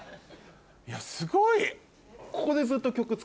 いやすごい。